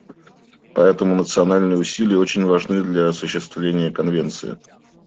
Поэтому национальные усилия очень важны для осуществления Конвенции.